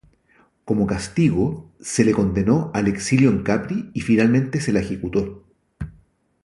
Como castigo, se le condenó al exilio en Capri y finalmente se la ejecutó.